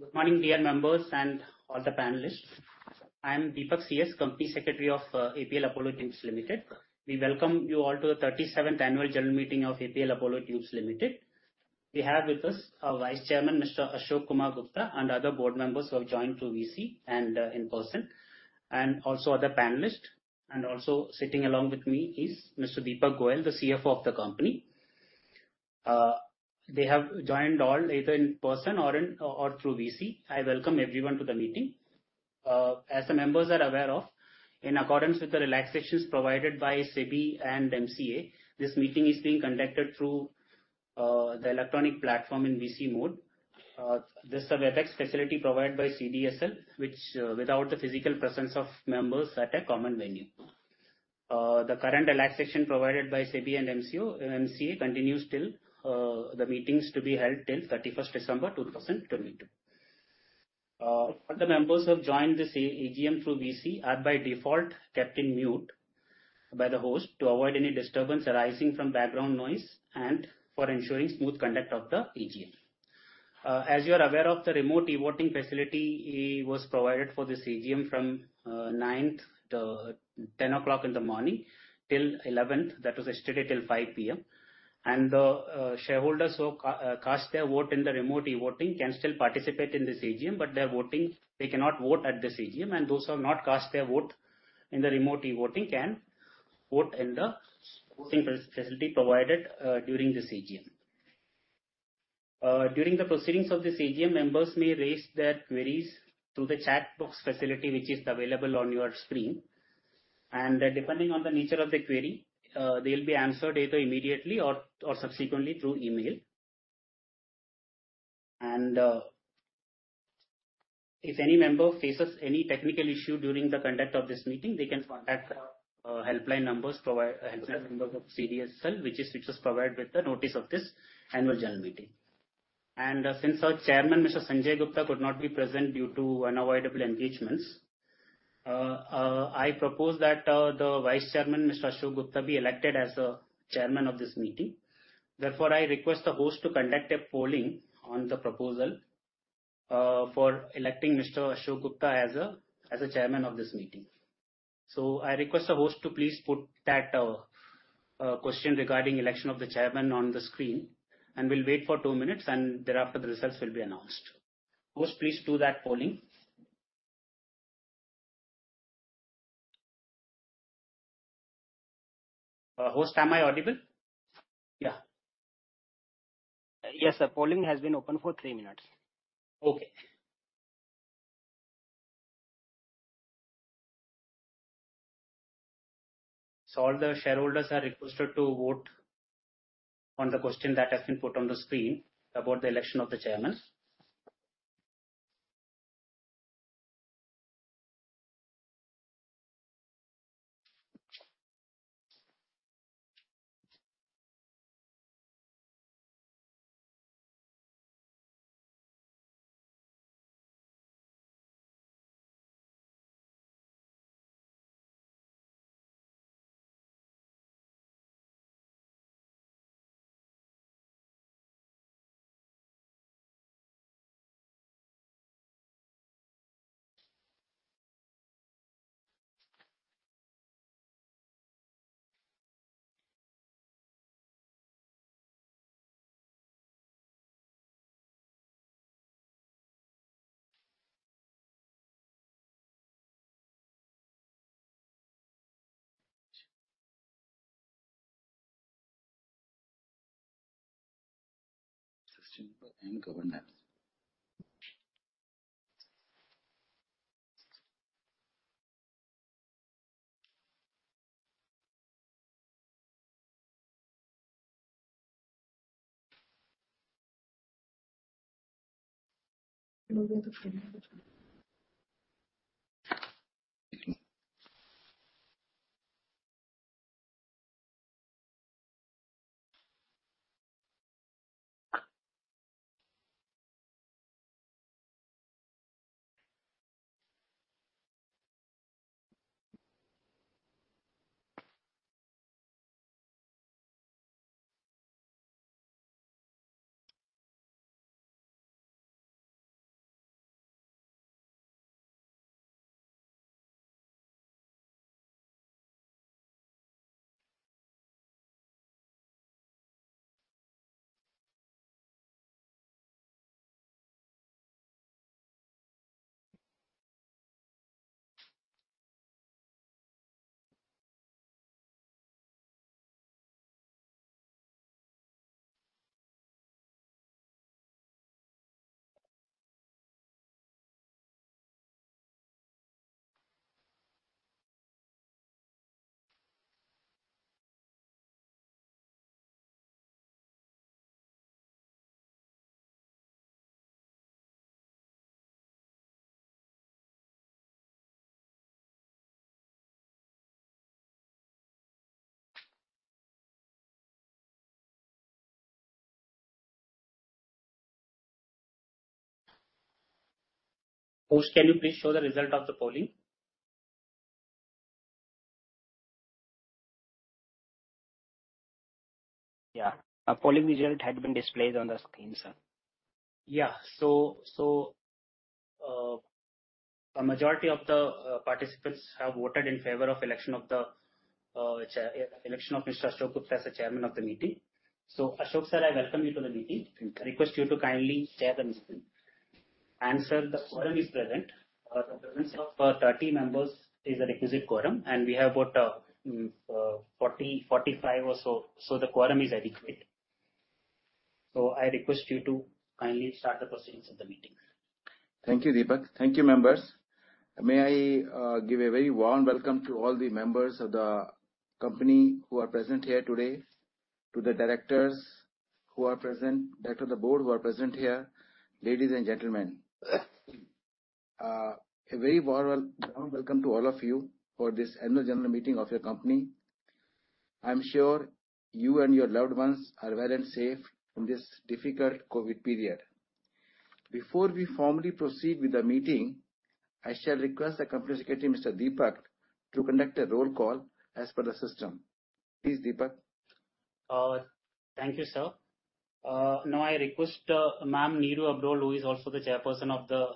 Good morning, dear members and all the panelists. I am Deepak CS, Company Secretary of APL Apollo Tubes Limited. We welcome you all to the thirty-seventh annual general meeting of APL Apollo Tubes Limited. We have with us our Vice Chairman, Mr. Ashok Kumar Gupta, and other board members who have joined through VC and in person, and also other panelists. Also sitting along with me is Mr. Deepak Goyal, the CFO of the company. They have all joined either in person or through VC. I welcome everyone to the meeting. As the members are aware of, in accordance with the relaxations provided by SEBI and MCA, this meeting is being conducted through the electronic platform in VC mode. This is a Webex facility provided by CDSL, which without the physical presence of members at a common venue. The current relaxation provided by SEBI and MCA continues till the meetings to be held till 31st December 2022. For the members who have joined this AGM through VC are by default muted by the host to avoid any disturbance arising from background noise and for ensuring smooth conduct of the AGM. As you are aware of, the remote e-voting facility was provided for this AGM from 9:00AM yesterday till 5:00PM. The shareholders who cast their vote in the remote e-voting can still participate in this AGM, but their voting, they cannot vote at this AGM. Those who have not cast their vote in the remote e-voting can vote in the voting facility provided during this AGM. During the proceedings of this AGM, members may raise their queries through the chat box facility, which is available on your screen. Depending on the nature of the query, they'll be answered either immediately or subsequently through email. If any member faces any technical issue during the conduct of this meeting, they can contact helpline numbers of CDSL, which was provided with the notice of this annual general meeting. Since our chairman, Mr. Sanjay Gupta, could not be present due to unavoidable engagements, I propose that the vice chairman, Mr. Ashok Gupta, be elected as chairman of this meeting. Therefore, I request the host to conduct a polling on the proposal for electing Mr. Ashok Gupta as chairman of this meeting. I request the host to please put that question regarding election of the chairman on the screen, and we'll wait for two minutes, and thereafter the results will be announced. Host, please do that polling. Host, am I audible? Yeah. Yes, sir. Polling has been open for three minutes. Okay. All the shareholders are requested to vote on the question that has been put on the screen about the election of the chairman. Sustainability and governance. Host, can you please show the result of the polling? Yeah. A polling result had been displayed on the screen, sir. Yeah. A majority of the participants have voted in favor of election of Mr. Ashok Gupta as the chairman of the meeting. Ashok, sir, I welcome you to the meeting. Thank you. I request you to kindly chair the meeting. Sir, the quorum is present. The presence of 30 members is a requisite quorum, and we have about 40, 45 or so. The quorum is adequate. I request you to kindly start the proceedings of the meeting. Thank you, Deepak. Thank you, members. May I give a very warm welcome to all the members of the company who are present here today, to the directors who are present, director of the board who are present here. Ladies and gentlemen, a very warm welcome to all of you for this annual general meeting of your company. I'm sure you and your loved ones are well and safe from this difficult COVID period. Before we formally proceed with the meeting, I shall request the company secretary, Mr. Deepak, to conduct a roll call as per the system. Please, Deepak. Thank you, sir. Now I request Ma'am Neeru Abrol, who is also the chairperson of the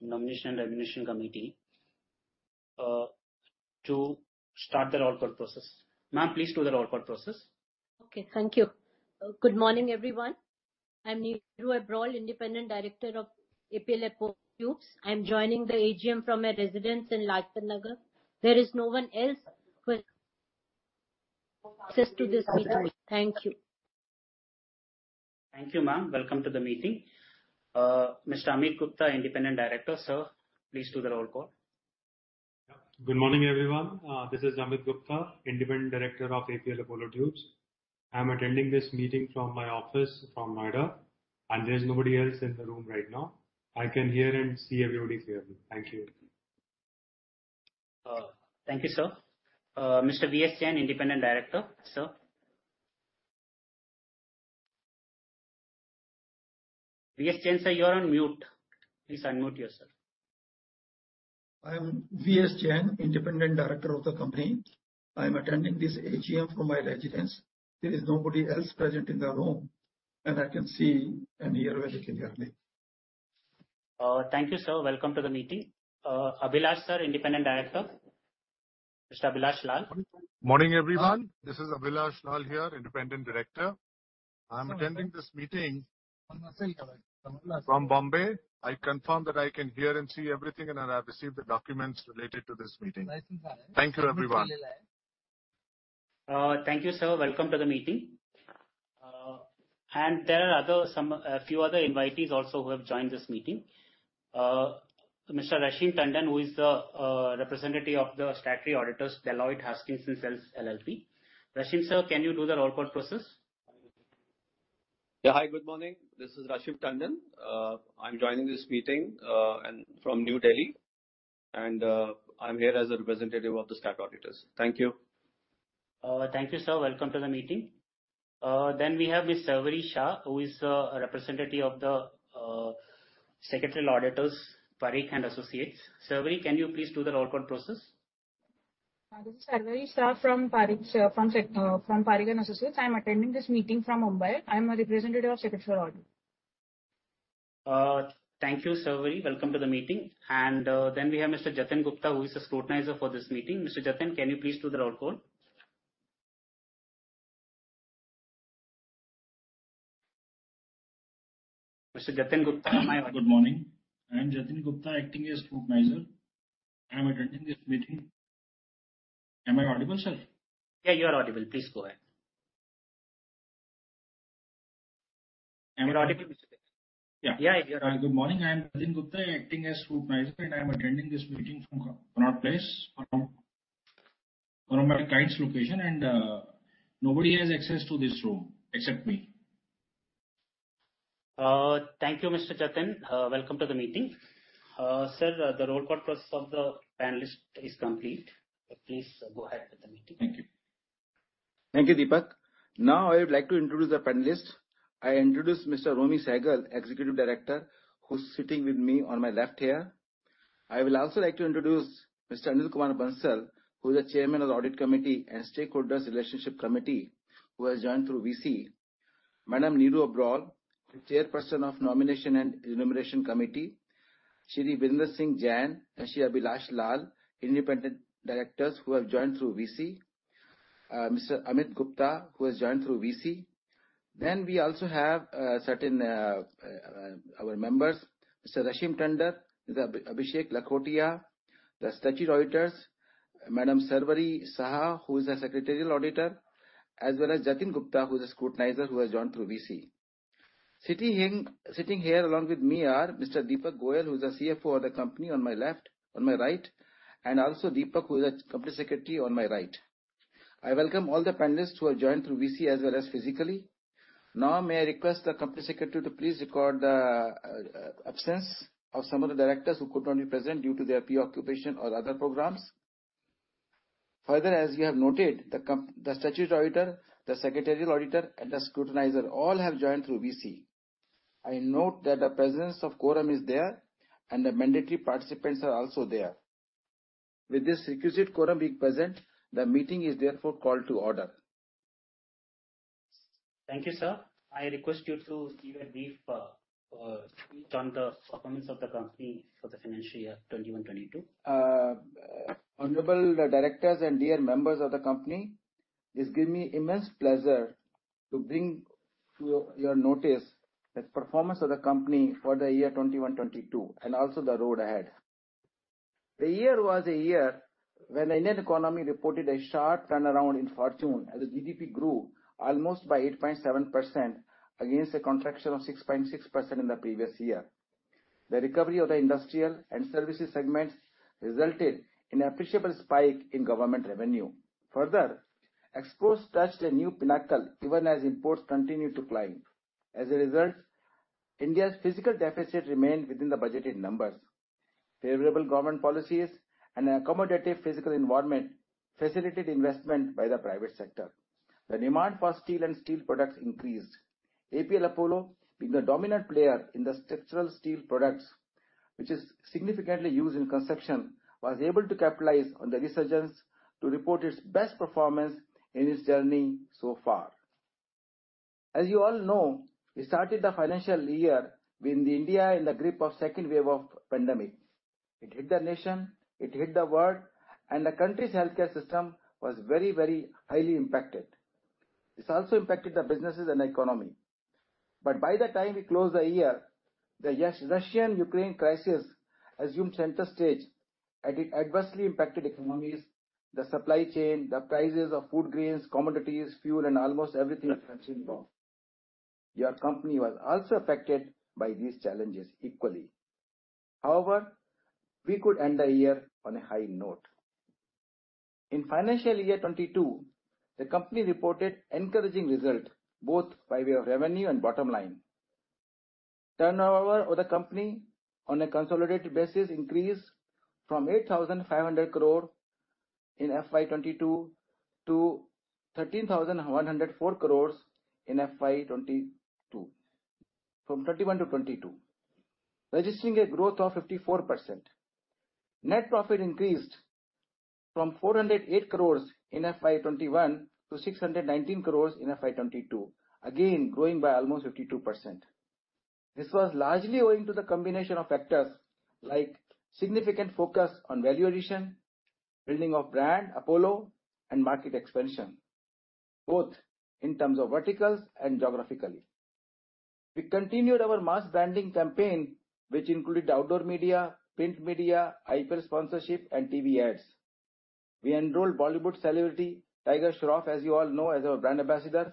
Nomination and Remuneration Committee, to start the roll call process. Ma'am, please do the roll call process. Okay. Thank you. Good morning, everyone. I'm Neeru Abrol, Independent Director of APL Apollo Tubes. I'm joining the AGM from my residence in Lajpat Nagar. There is no one else who has access to this meeting. Thank you. Thank you, ma'am. Welcome to the meeting. Mr. Amit Gupta, Independent Director. Sir, please do the roll call. Good morning, everyone. This is Amit Gupta, Independent Director of APL Apollo Tubes. I'm attending this meeting from my office from Noida, and there's nobody else in the room right now. I can hear and see everybody clearly. Thank you. Thank you, sir. Mr. VS Jain, Independent Director. Sir? VS Jain, sir, you're on mute. Please unmute yourself. I am VS Jain, Independent Director of the company. I'm attending this AGM from my residence. There is nobody else present in the room, and I can see and hear very clearly. Thank you, sir. Welcome to the meeting. Abhilash, sir, Independent Director. Mr. Abhilash Lal. Morning, everyone. This is Abhilash Lal here, Independent Director. I'm attending this meeting from Bombay. I confirm that I can hear and see everything, and I have received the documents related to this meeting. Thank you, everyone. Thank you, sir. Welcome to the meeting. There are other, some, a few other invitees also who have joined this meeting. Mr. Rashim Tandon, who is the representative of the statutory auditors, Deloitte Haskins & Sells LLP. Rashim, sir, can you do the roll call process? Yeah. Hi, good morning. This is Rashim Tandon. I'm joining this meeting from New Delhi, and I'm here as a representative of the statutory auditors. Thank you. Thank you, sir. Welcome to the meeting. We have Ms. Sarvari Shah, who is a representative of the secretarial auditors, Parikh & Associates. Sarvari, can you please do the roll call process? This is Sarvari Shah from Parikh & Associates. I'm attending this meeting from Mumbai. I'm a representative of secretarial audit. Thank you, Sarvari. Welcome to the meeting. Then we have Mr. Jatin Gupta, who is the scrutinizer for this meeting. Mr. Jatin, can you please do the roll call? Mr. Jatin Gupta, am I- Good morning. I am Jatin Gupta, acting as Scrutinizer. I'm attending this meeting. Am I audible, sir? Yeah, you are audible. Please go ahead. Am I- You're audible, Mr. Gupta. Yeah. Yeah. Good morning. I am Jatin Gupta, acting as Scrutinizer, and I'm attending this meeting from Connaught Place from one of my client's location, and nobody has access to this room except me. Thank you, Mr. Jatin Gupta. Welcome to the meeting. Sir, the roll call process of the panelist is complete. Please go ahead with the meeting. Thank you. Thank you, Deepak. Now I would like to introduce the panelists. I introduce Mr. Romi Sehgal, Executive Director, who's sitting with me on my left here. I will also like to introduce Mr. Anil Kumar Bansal, who is the Chairman of the Audit Committee and Stakeholders Relationship Committee, who has joined through VC. Madam Neeru Abrol, the Chairperson of Nomination and Remuneration Committee. Shri Virendra Singh Jain and Shri Abhilash Lal, Independent Directors who have joined through VC. Mr. Amit Gupta, who has joined through VC. Then we also have certain our members, Mr. Rashim Tandon, Mr. Abhishek Lakhotia, the statutory auditors. Madam Sarvari Shah, who is a Secretarial Auditor, as well as Jatin Gupta, who is a scrutinizer, who has joined through VC. Sitting here along with me are Mr. Deepak Goyal, who is the CFO of the company, on my left. On my right, and also Deepak, who is a company secretary, on my right. I welcome all the panelists who have joined through VC as well as physically. Now, may I request the company secretary to please record the absence of some of the directors who could not be present due to their preoccupation or other programs. Further, as you have noted, the statutory auditor, the secretarial auditor, and the scrutinizer all have joined through VC. I note that the presence of quorum is there and the mandatory participants are also there. With this requisite quorum being present, the meeting is therefore called to order. Thank you, sir. I request you to give a brief on the performance of the company for the financial year 2021-2022. Honorable directors and dear members of the company, it gives me immense pleasure to bring to your notice the performance of the company for the year 2021-2022, and also the road ahead. The year was a year when the Indian economy reported a sharp turnaround in fortune, as the GDP grew almost by 8.7% against a contraction of 6.6% in the previous year. The recovery of the industrial and services segments resulted in an appreciable spike in government revenue. Further, exports touched a new pinnacle, even as imports continued to climb. As a result, India's fiscal deficit remained within the budgeted numbers. Favorable government policies and an accommodative fiscal environment facilitated investment by the private sector. The demand for steel and steel products increased. APL Apollo, being the dominant player in the structural steel products, which is significantly used in construction, was able to capitalize on the resurgence to report its best performance in its journey so far. As you all know, we started the financial year with India in the grip of second wave of pandemic. It hit the nation, it hit the world, and the country's healthcare system was very, very highly impacted. This also impacted the businesses and economy. By the time we closed the year, the Russia-Ukraine crisis assumed center stage, and it adversely impacted economies, the supply chain, the prices of food grains, commodities, fuel, and almost everything. Your company was also affected by these challenges equally. However, we could end the year on a high note. In financial year 2022, the company reported encouraging result, both by way of revenue and bottom line. Turnover of the company on a consolidated basis increased from 8,500 crore in FY 2021 to 13,104 crore in FY 2022, registering a growth of 54%. Net profit increased from 408 crore in FY 2021 to 619 crore in FY 2022, again growing by almost 52%. This was largely owing to the combination of factors like significant focus on value addition, building of brand Apollo, and market expansion, both in terms of verticals and geographically. We continued our mass branding campaign, which included outdoor media, print media, IPL sponsorship, and TV ads. We enrolled Bollywood celebrity Tiger Shroff, as you all know, as our brand ambassador.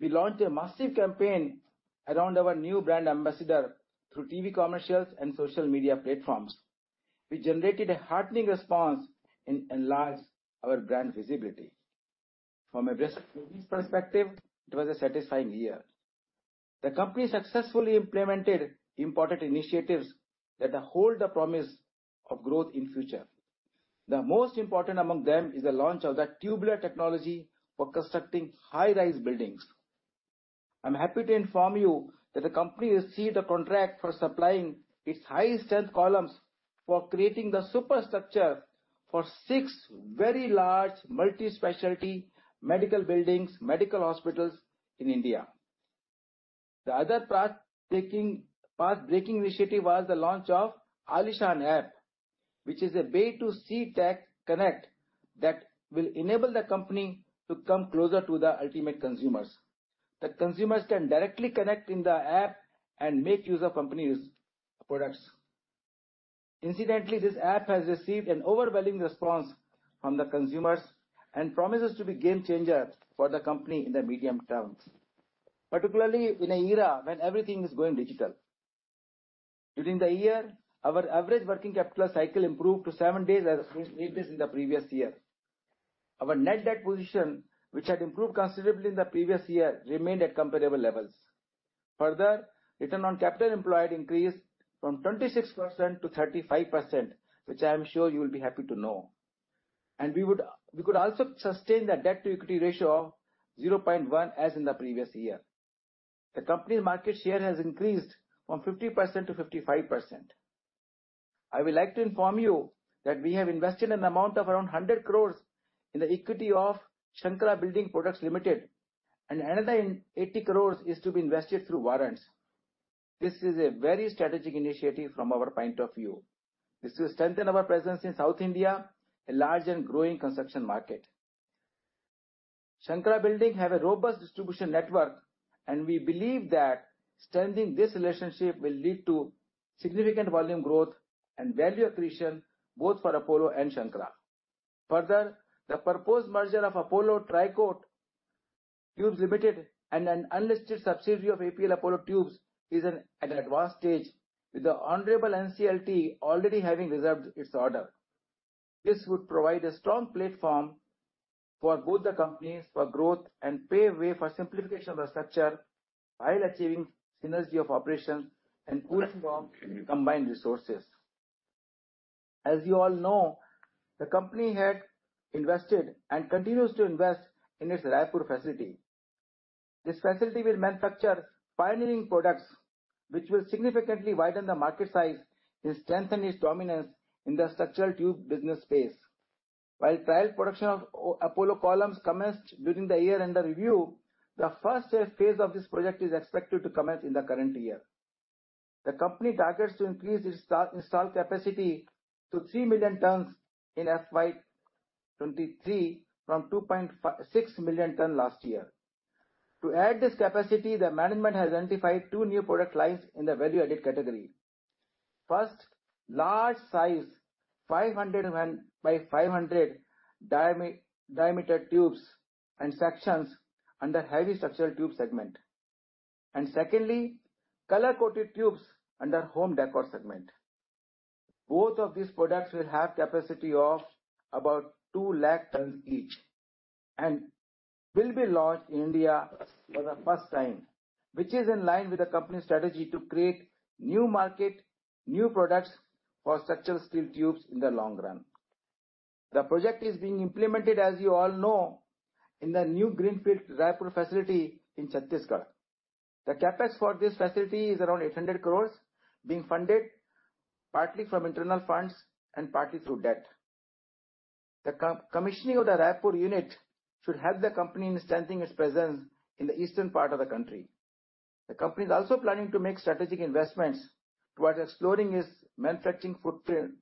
We launched a massive campaign around our new brand ambassador through TV commercials and social media platforms. We generated a heartening response and enlarged our brand visibility. From a business perspective, it was a satisfying year. The company successfully implemented important initiatives that hold the promise of growth in future. The most important among them is the launch of the tubular technology for constructing high-rise buildings. I'm happy to inform you that the company received a contract for supplying its high-strength columns for creating the superstructure for six very large multi-specialty medical buildings, medical hospitals in India. The other path-breaking initiative was the launch of Aalishaan app, which is a B2C tech connect that will enable the company to come closer to the ultimate consumers. The consumers can directly connect in the app and make use of company's products. Incidentally, this app has received an overwhelming response from the consumers and promises to be game changer for the company in the medium term, particularly in an era when everything is going digital. During the year, our average working capital cycle improved to seven days as against eight days in the previous year. Our net debt position, which had improved considerably in the previous year, remained at comparable levels. Further, return on capital employed increased from 26%-35%, which I am sure you will be happy to know. We could also sustain the debt-to-equity ratio of 0.1 as in the previous year. The company's market share has increased from 50%-55%. I would like to inform you that we have invested an amount of around 100 crore in the equity of Shankara Building Products Limited, and another 80 crore is to be invested through warrants. This is a very strategic initiative from our point of view. This will strengthen our presence in South India, a large and growing construction market. Shankara Building Products has a robust distribution network, and we believe that strengthening this relationship will lead to significant volume growth and value accretion, both for Apollo and Shankara. Further, the proposed merger of Apollo Tricoat Tubes Limited and an unlisted subsidiary of APL Apollo Tubes is in an advanced stage, with the honorable NCLT already having reserved its order. This would provide a strong platform for both the companies for growth and pave way for simplification of the structure while achieving synergy of operations and pooling from combined resources. As you all know, the company had invested and continues to invest in its Raipur facility. This facility will manufacture pioneering products which will significantly widen the market size and strengthen its dominance in the structural tube business space. While trial production of Apollo columns commenced during the year under review, the first phase of this project is expected to commence in the current year. The company targets to increase its installed capacity to 3 million tons in FY 2023 from 2.56 million tons last year. To add this capacity, the management has identified two new product lines in the value-added category. First, large size 500 by 500 diameter tubes and sections under heavy structural tube segment. Secondly, color-coated tubes under home decor segment. Both of these products will have capacity of about 200,000 tons each and will be launched in India for the first time, which is in line with the company's strategy to create new market, new products for structural steel tubes in the long run. The project is being implemented, as you all know, in the new greenfield Raipur facility in Chhattisgarh. The CapEx for this facility is around 800 crore, being funded partly from internal funds and partly through debt. The commissioning of the Raipur unit should help the company in strengthening its presence in the eastern part of the country. The company is also planning to make strategic investments towards exploring its manufacturing footprint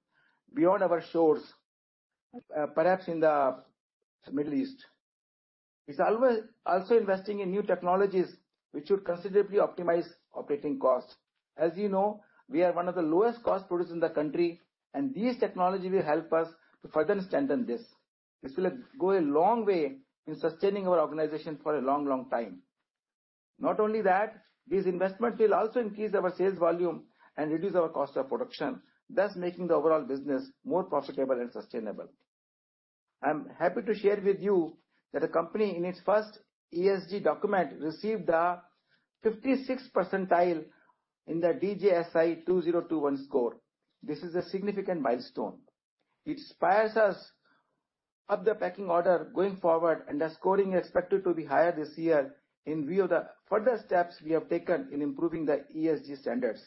beyond our shores, perhaps in the Middle East. It's also investing in new technologies which would considerably optimize operating costs. As you know, we are one of the lowest cost producers in the country, and these technologies will help us to further strengthen this. This will go a long way in sustaining our organization for a long, long time. Not only that, these investments will also increase our sales volume and reduce our cost of production, thus making the overall business more profitable and sustainable. I'm happy to share with you that the company, in its first ESG document, received a 56 percentile in the DJSI 2021 score. This is a significant milestone. It inspires us up the pecking order going forward, and the scoring is expected to be higher this year in view of the further steps we have taken in improving the ESG standards.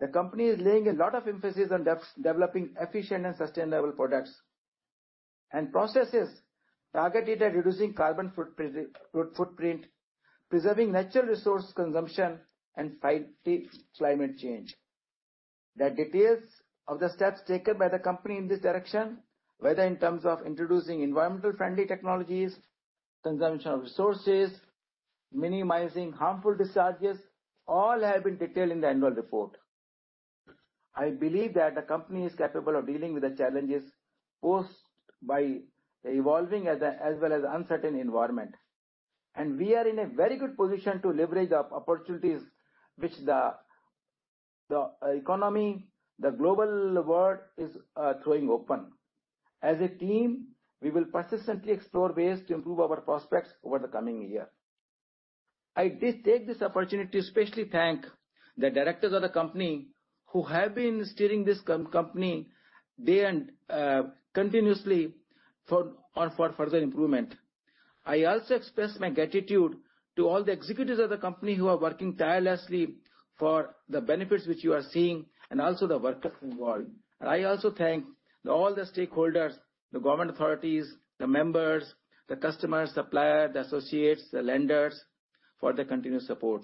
The company is laying a lot of emphasis on developing efficient and sustainable products and processes targeted at reducing carbon footprint, preserving natural resource consumption, and fight the climate change. The details of the steps taken by the company in this direction, whether in terms of introducing environmentally friendly technologies, consumption of resources, minimizing harmful discharges, all have been detailed in the annual report. I believe that the company is capable of dealing with the challenges posed by evolving as well as uncertain environment. We are in a very good position to leverage the opportunities which the economy, the global world is throwing open. As a team, we will persistently explore ways to improve our prospects over the coming year. I did take this opportunity to especially thank the directors of the company who have been steering this company day and continuously for further improvement. I also express my gratitude to all the executives of the company who are working tirelessly for the benefits which you are seeing and also the workers involved. I also thank all the stakeholders, the government authorities, the members, the customers, suppliers, the associates, the lenders for their continuous support.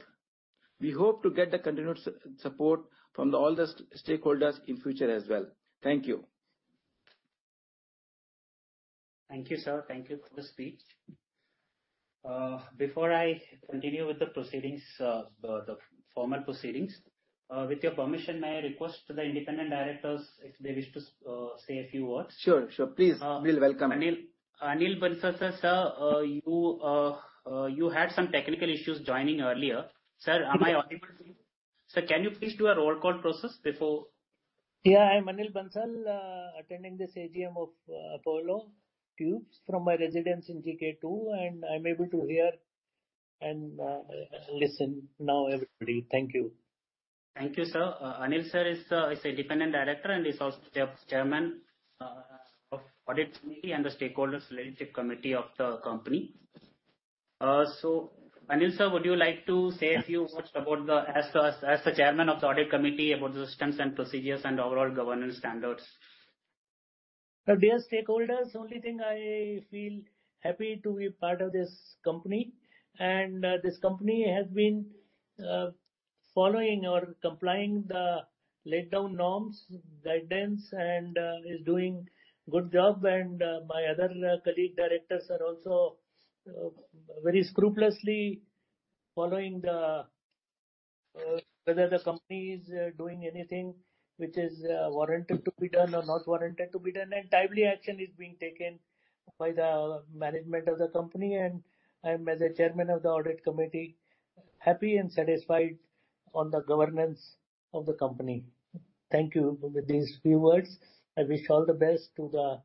We hope to get the continued support from all the stakeholders in future as well. Thank you. Thank you, sir. Thank you for the speech. Before I continue with the proceedings, the formal proceedings, with your permission, may I request the independent directors if they wish to say a few words. Sure. Sure. Please. We'll welcome you. Anil Bansal, sir. You had some technical issues joining earlier. Sir, am I audible to you? Sir, can you please do a roll call process before- Yeah, I'm Anil Bansal, attending this AGM of Apollo Tubes from my residence in GK 2, and I'm able to hear and listen now, everybody. Thank you. Thank you, sir. Anil sir is an independent director, and is also the chairman of Audit Committee and the Stakeholders Relationship Committee of the company. Anil sir, would you like to say a few words as the chairman of the Audit Committee about the systems and procedures and overall governance standards. Dear stakeholders, only thing I feel happy to be part of this company. This company has been following or complying the laid down norms, guidance, and is doing good job. My other colleague directors are also very scrupulously following the whether the company is doing anything which is warranted to be done or not warranted to be done. Timely action is being taken by the management of the company. I'm, as a chairman of the Audit Committee, happy and satisfied on the governance of the company. Thank you. With these few words, I wish all the best to the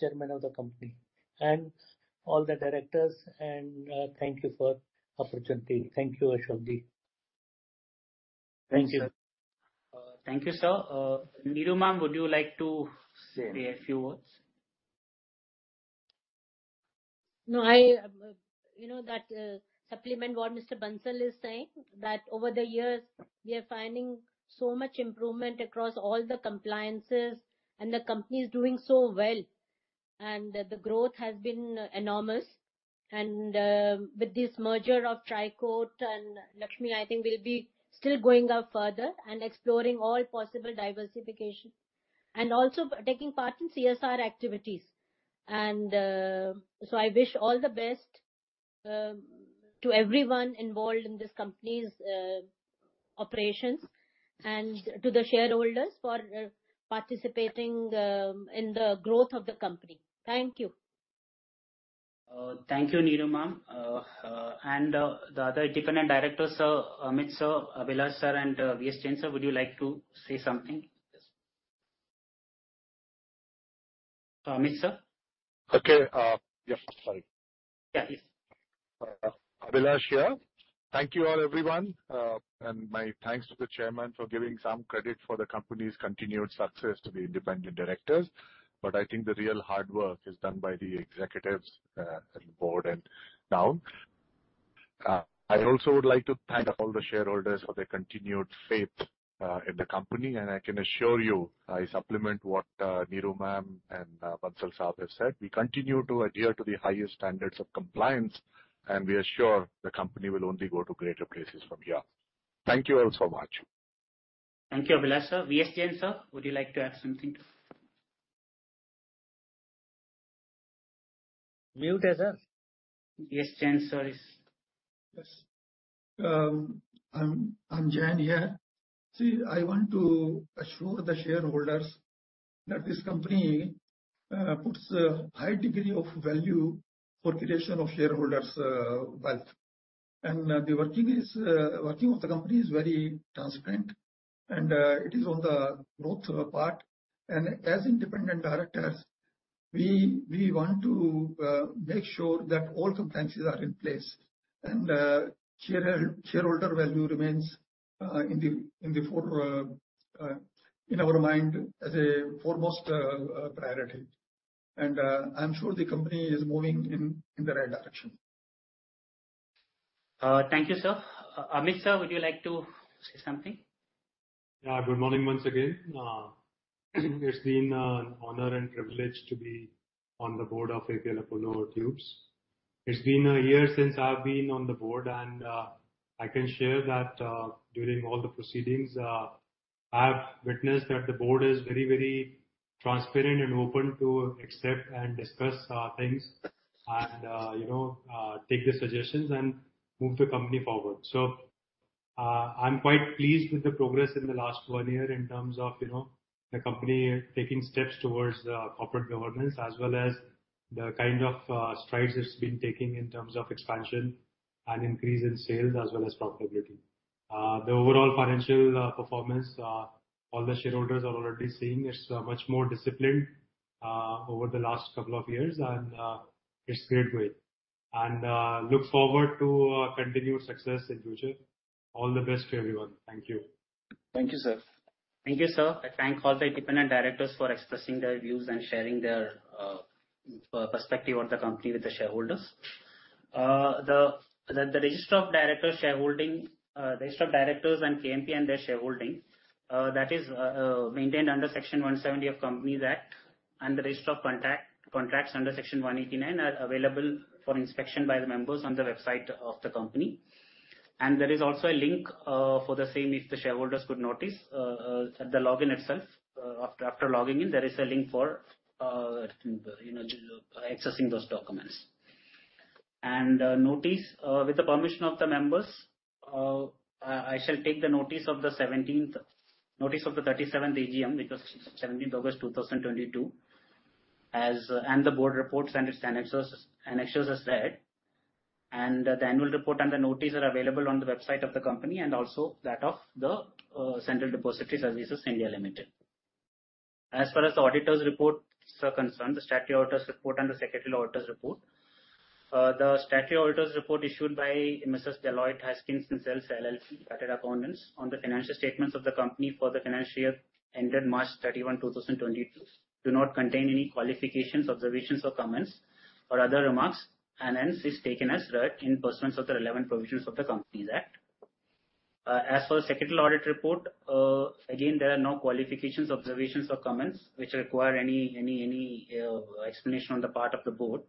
chairman of the company and all the directors. Thank you for opportunity. Thank you, Ashok ji. Thank you. Thank you, sir. Neeru Ma'am, would you like to say a few words? No, I, you know that, supplement what Mr. Bansal is saying, that over the years we are finding so much improvement across all the compliances and the company is doing so well, and the growth has been enormous and, with this merger of Tricoat and Lakshmi, I think we'll be still going up further and exploring all possible diversification and also taking part in CSR activities. I wish all the best, to everyone involved in this company's, operations and to the shareholders for, participating, in the growth of the company. Thank you. Thank you, Neeru Ma'am. The other independent directors, sir, Amit sir, Abhilash sir, and VS Jain sir, would you like to say something? Amit sir. Okay. Yeah. Sorry. Yeah, please. Abhilash here. Thank you all, everyone. My thanks to the chairman for giving some credit for the company's continued success to the independent directors. I think the real hard work is done by the executives, and board and down. I also would like to thank all the shareholders for their continued faith, in the company. I can assure you, I supplement what, Neeru Ma'am and, Bansal Sahab have said. We continue to adhere to the highest standards of compliance, and we are sure the company will only go to greater places from here. Thank you all so much. Thank you, Abhilash sir. VS Jain sir, would you like to add something? Muted, sir. VS Jain sir is Yes. VS Jain here. See, I want to assure the shareholders that this company puts a high degree of value on creation of shareholders wealth. The working of the company is very transparent and it is on the growth path. As independent directors, we want to make sure that all compliances are in place and shareholder value remains in the forefront of our mind as a foremost priority. I'm sure the company is moving in the right direction. Thank you, sir. Amit, sir, would you like to say something? Yeah. Good morning once again. It's been an honor and privilege to be on the board of APL Apollo Tubes. It's been a year since I've been on the board and I can share that during all the proceedings I have witnessed that the board is very, very transparent and open to accept and discuss things and you know take the suggestions and move the company forward. I'm quite pleased with the progress in the last one year in terms of you know the company taking steps towards corporate governance as well as the kind of strides it's been taking in terms of expansion and increase in sales as well as profitability. The overall financial performance all the shareholders are already seeing it's much more disciplined over the last couple of years and it's great way. Look forward to continued success in future. All the best to everyone. Thank you. Thank you, sir. I thank all the independent directors for expressing their views and sharing their perspective of the company with the shareholders. The register of directors and KMP and their shareholding that is maintained under Section 170 of Companies Act and the register of contracts under Section 189 are available for inspection by the members on the website of the company. There is also a link for the same if the shareholders could notice at the login itself. After logging in, there is a link for you know accessing those documents. With the permission of the members, I shall take the notice of the 37th AGM, which is 17th August 2022, and the board reports and its annexures as read. The annual report and the notice are available on the website of the company and also that of the Central Depository Services (India) Limited. As far as the auditors' reports are concerned, the statutory auditor's report and the secretarial auditor's report. The statutory auditor's report issued by Messrs Deloitte Haskins & Sells LLP, chartered accountants, on the financial statements of the company for the financial year ended March 31, 2022, do not contain any qualifications, observations or comments or other remarks, and hence is taken as read in pursuance of the relevant provisions of the Companies Act. As for secretarial audit report, again, there are no qualifications, observations or comments which require any explanation on the part of the board.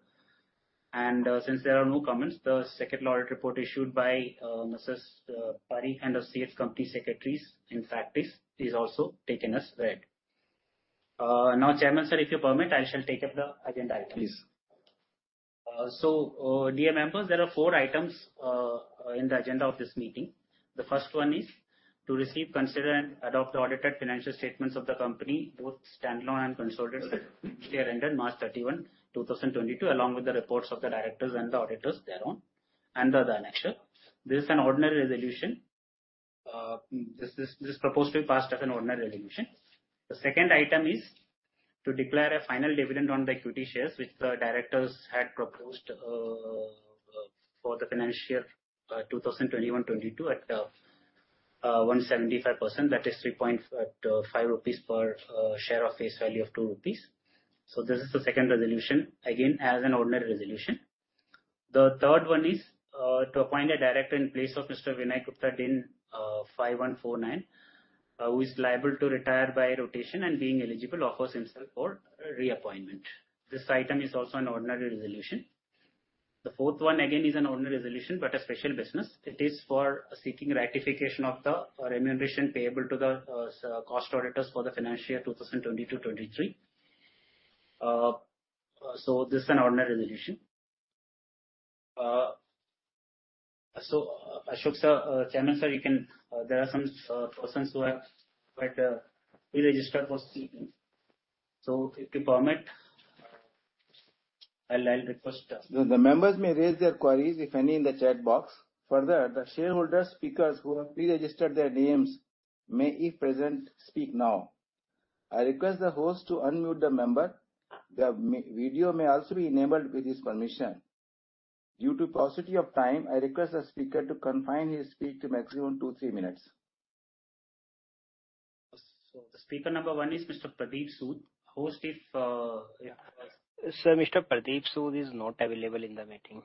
Since there are no comments, the secretarial audit report issued by Messrs Parikh & Associates company secretaries is also taken as read. Now, Chairman sir, if you permit, I shall take up the agenda items. Please. Dear members, there are four items in the agenda of this meeting. The first one is to receive, consider, and adopt the audited financial statements of the company, both standalone and consolidated, year ended March 31, 2022, along with the reports of the directors and the auditors thereon and the annexure. This is an ordinary resolution. This is proposed to be passed as an ordinary resolution. The second item is to declare a final dividend on the equity shares which the directors had proposed for the financial year 2021-2022 at 175%, that is 3.5 rupees per share of face value of 2 rupees. This is the second resolution, again, as an ordinary resolution. The third one is to appoint a director in place of Mr. Vinay Gupta DIN 5149, who is liable to retire by rotation and being eligible offers himself for reappointment. This item is also an ordinary resolution. The fourth one, again, is an ordinary resolution, but a special business. It is for seeking ratification of the remuneration payable to the cost auditors for the financial year 2020 to 2023. This is an ordinary resolution. Ashok, sir, Chairman, sir, you can. There are some persons who have pre-registered for speaking. If you permit, I'll request. The members may raise their queries, if any, in the chat box. Further, the shareholder speakers who have pre-registered their names may, if present, speak now. I request the host to unmute the member. The video may also be enabled with his permission. Due to paucity of time, I request the speaker to confine his speech to maximum two, three minutes. The speaker number one is Mr. Pradeep Sood. Host if, yeah. Sir, Mr. Pradeep Sood is not available in the meeting.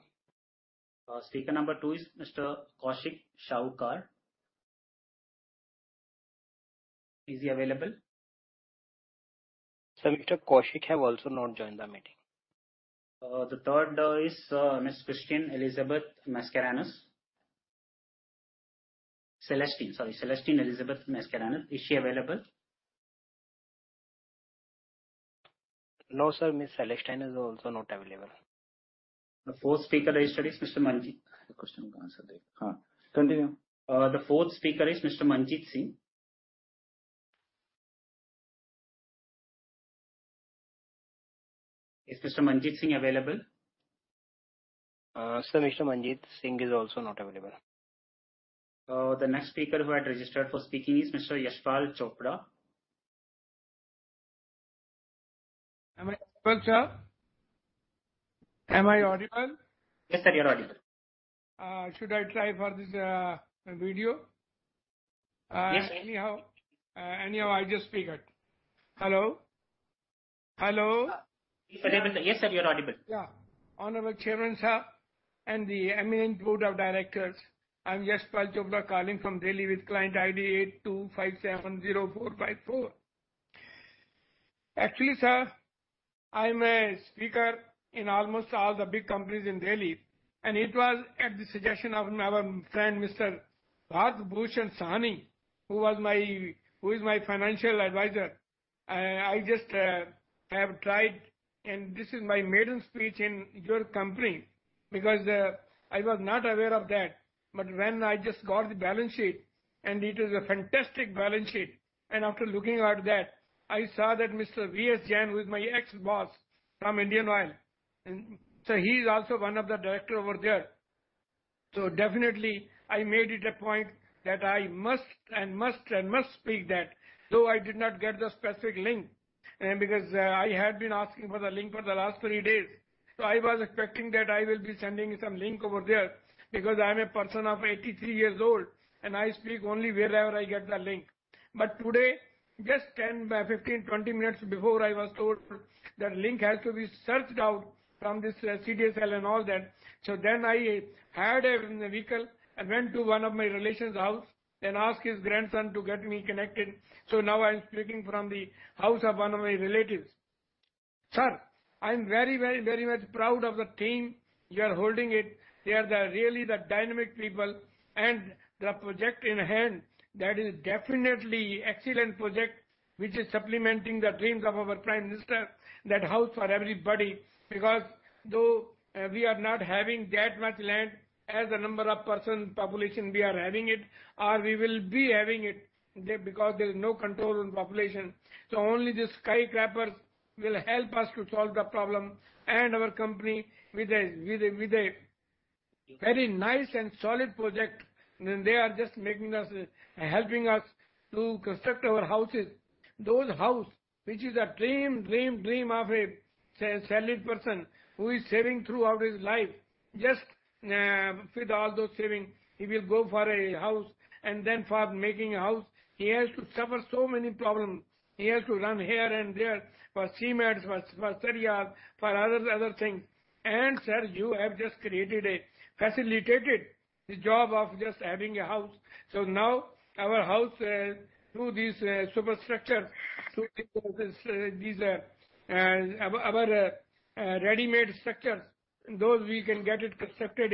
Speaker number two is Mr. Kaushik Shaukar. Is he available? Sir, Mr. Kaushik have also not joined the meeting. The third is Miss Celestine Elizabeth Mascarenhas. Is she available? No, sir. Miss Celestine is also not available. The fourth speaker registered is Mr. Manjit Singh. Continue. The fourth speaker is Mr. Manjit Singh. Is Mr. Manjit Singh available? Sir, Mr. Manjit Singh is also not available. The next speaker who had registered for speaking is Mr. Yashpal Chopra. Am I, sir? Am I audible? Yes, sir, you're audible. Should I try for this video? Yes, sir. Anyhow, I'll just speak it. Hello? Hello? Yes, sir. You're audible. Yeah. Honorable Chairman, sir, and the eminent board of directors. I'm Yashpal Chopra calling from Delhi with client ID 82570454. Actually, sir, I'm a speaker in almost all the big companies in Delhi, and it was at the suggestion of my friend Mr. Raj Bhushan Sahani, who is my financial advisor. I just have tried, and this is my maiden speech in your company because I was not aware of that. When I just got the balance sheet, and it is a fantastic balance sheet, and after looking at that, I saw that Mr. VS Jain, who is my ex-boss from Indian Oil, and so he is also one of the director over there. Definitely I made it a point that I must speak that, though I did not get the specific link, because I had been asking for the link for the last three days. I was expecting that I will be sending some link over there because I'm a person of 83 years old, and I speak only wherever I get the link. Today, just 10-15-20 minutes before I was told that link has to be searched out from this CDSL and all that. Then I had a vehicle and went to one of my relation's house and asked his grandson to get me connected. Now I'm speaking from the house of one of my relatives. Sir, I'm very much proud of the team. You are holding it. They are really the dynamic people and the project in hand, that is definitely excellent project, which is supplementing the dreams of our Prime Minister, that house for everybody. Because though, we are not having that much land as the number of person population we are having it or we will be having it there because there's no control on population. Only the skyscrapers will help us to solve the problem and our company with a very nice and solid project. They are just making us, helping us to construct our houses. Those house which is a dream of a salaried person who is saving throughout his life. With all those saving, he will go for a house and then for making a house, he has to suffer so many problems. He has to run here and there for cements, for terrazzo, for other things. Sir, you have just created and facilitated the job of just having a house. Now our house through this superstructure, through these our ready-made structures, those we can get it constructed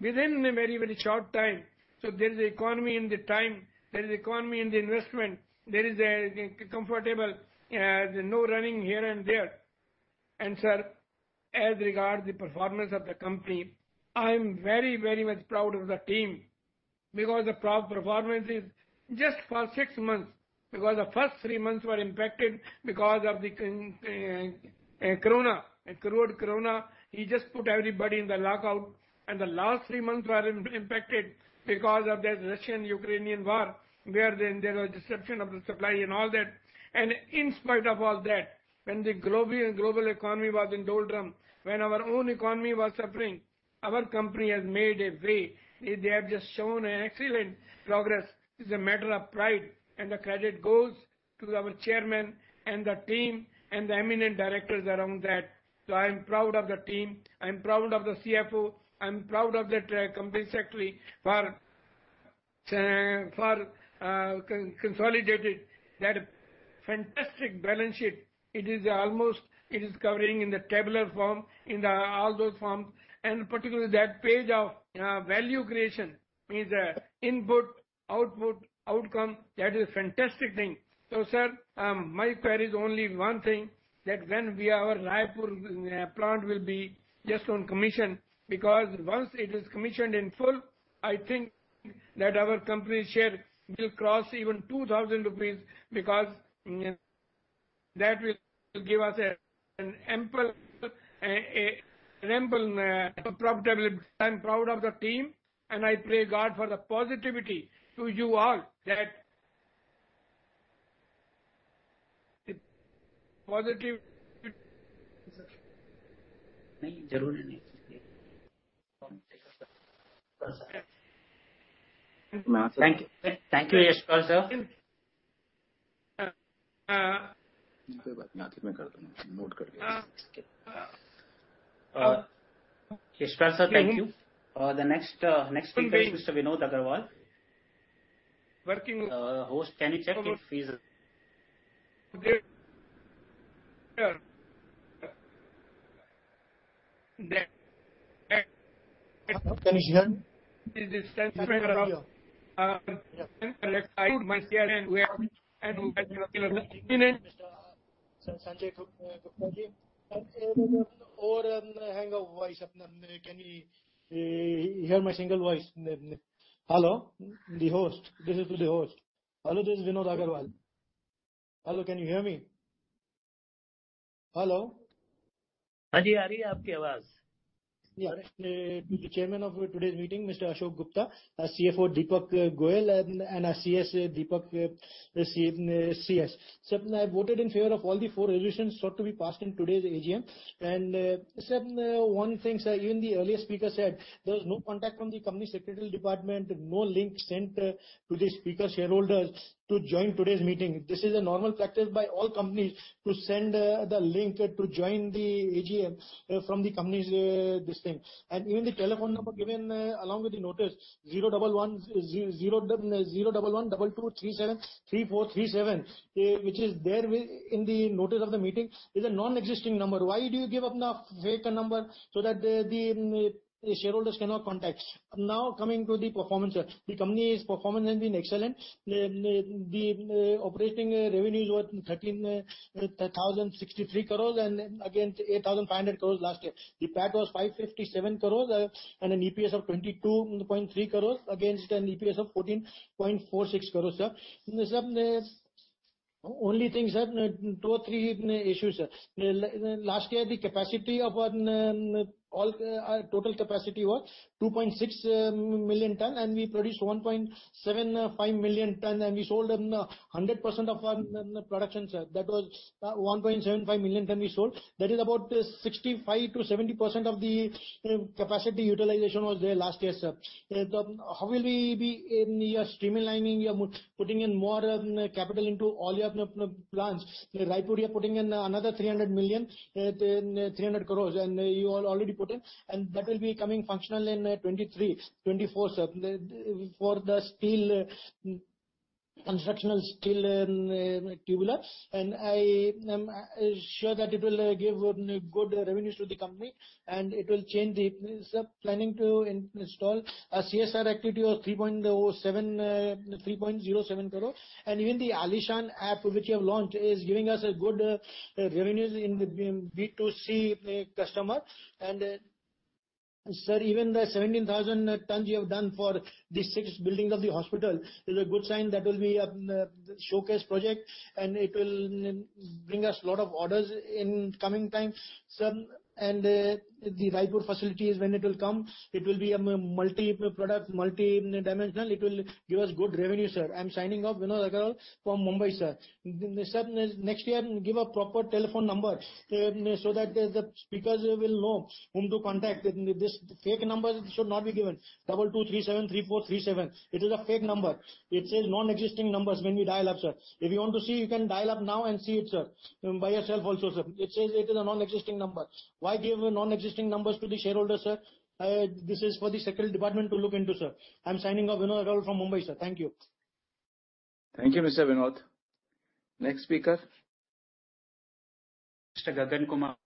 within a very, very short time. There is economy in the time. There is economy in the investment. There is a comfortable no running here and there. Sir, as regards the performance of the company, I'm very, very much proud of the team because the performance is just for six months. The first three months were impacted because of the corona, COVID corona. It just put everybody in the lockdown. The last three months were impacted because of the Russian-Ukrainian war, where then there was disruption of the supply and all that. In spite of all that, when the global economy was in doldrums, when our own economy was suffering. Our company has made a way. They have just shown an excellent progress. It's a matter of pride, and the credit goes to our chairman and the team and the eminent directors around that. I am proud of the team. I am proud of the CFO. I'm proud of the company secretary for consolidated that fantastic balance sheet. It is covering in the tabular form, in all those forms, and particularly that page of value creation is input, output, outcome. That is a fantastic thing. Sir, my prayer is only one thing, that when our Raipur plant will be just on commission, because once it is commissioned in full, I think that our company share will cross even 2,000 rupees because that will give us an ample profitability. I'm proud of the team, and I pray to God for the positivity to you all. Positive. Thank you, Mr. Yashpal Chopra. The next speaker is Mr. Vinod Agarwal. Working with- Host, can you check if it freezes? Can you hear? Mr. Sanjay Gupta ji. Or hang up voice. Can you hear my single voice? Hello. The host. This is to the host. Hello, this is Vinod Agarwal. Hello, can you hear me? Hello. Yes, your voice is coming. To the chairman of today's meeting, Mr. Ashok Gupta, CFO Deepak Goyal, and our CS Deepak CS. Sir, I voted in favor of all the four resolutions sought to be passed in today's AGM. Sir, one thing, sir, even the earlier speaker said, there was no contact from the company secretary department, no link sent to the speaker shareholders to join today's meeting. This is a normal practice by all companies to send the link to join the AGM from the company's this thing. Even the telephone number given along with the notice 011, 22, 37, 34, 37, which is there in the notice of the meeting, is a non-existing number. Why do you give a fake number so that the shareholders cannot contact? Now, coming to the performance, sir. The company's performance has been excellent. The operating revenues were 13,063 crore against 8,500 crore last year. The PAT was 557 crore and an EPS of 22.3 crore against an EPS of 14.46 crore, sir. Sir, only thing, sir, two or three issues, sir. Last year, the capacity of our total capacity was 2.6 million ton, and we produced 1.75 million ton, and we sold 100% of our production, sir. That was 1.75 million ton we sold. That is about 65%-70% of the capacity utilization was there last year, sir. How will we be streamlining, putting in more capital into all your plants? Raipur, you're putting in another 300 million, 300 crore, and you already put in. That will be coming functional in 2023-2024, sir, for the steel, structural steel tubulars. I am sure that it will give good revenues to the company. Sir, planning to install a CSR activity of 3.07 crore. Even the Aalishaan app, which you have launched, is giving us good revenues in B2C customer. Sir, even the 17,000 tons you have done for the six buildings of the hospital is a good sign that will be a showcase project, and it will bring us lot of orders in coming time, sir. The Raipur facilities, when it will come, it will be a multi-product, multi-dimensional. It will give us good revenue, sir. I'm signing off, Vinod Agarwal from Mumbai, sir. Sir, next year, give a proper telephone number so that the speakers will know whom to contact. This fake number should not be given. 22, 37, 34, 37. It is a fake number. It says non-existing numbers when we dial up, sir. If you want to see, you can dial up now and see it, sir, by yourself also, sir. It says it is a non-existing number. Why give non-existing numbers to the shareholder, sir? This is for the secretarial department to look into, sir. I'm signing off, Vinod Agarwal from Mumbai, sir. Thank you. Thank you, Mr. Vinod. Next speaker. Mr. Gagan Kumar.